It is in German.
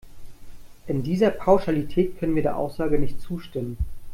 In dieser Pauschalität können wir der Aussage nicht zustimmen.